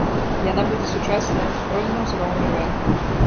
Яна будзе сучасная, рознаўзроўневая.